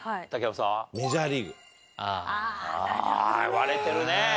割れてるね。